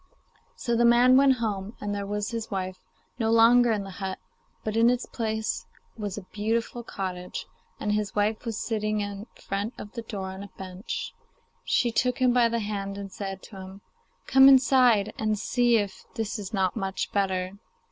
So the man went home, and there was his wife no longer in the hut, but in its place was a beautiful cottage, and his wife was sitting in front of the door on a bench. She took him by the hand and said to him, 'Come inside, and see if this is not much better.